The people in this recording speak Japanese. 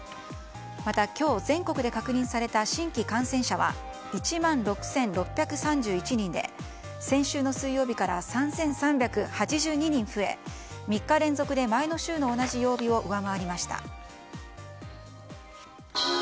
また今日全国で確認された新規感染者は１万６６３１人で先週の水曜日から３３８２人増え３日連続で前の週の同じ曜日を上回りました。